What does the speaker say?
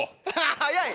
早い。